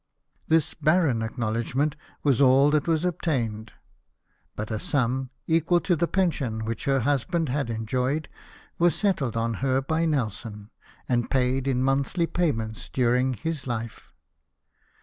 This barren acknowledgment was all that was obtained ; but a sum, equal to the pension which her husband had enjoyed, was settled on her by Nelson, and paid in monthly payments during his life.